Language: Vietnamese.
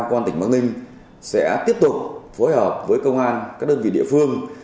của quân tỉnh bắc ninh sẽ tiếp tục phối hợp với công an các đơn vị địa phương